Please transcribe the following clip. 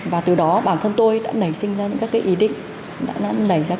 và từ đó bản thân tôi đã nảy sinh ra